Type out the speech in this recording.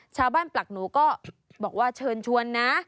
ชาวบ้านปลักหนูก็บอกว่าเชิญชวนนะ